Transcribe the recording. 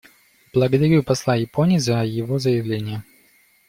Благодарю посла Японии за его заявление.